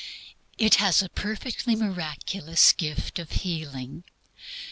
It has a perfectly miraculous gift of healing.